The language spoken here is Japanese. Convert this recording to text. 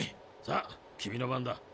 さあ君の番だ。